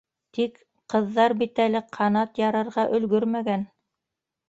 Тик ҡыҙҙар бит әле ҡанат ярырға өлгөрмәгән.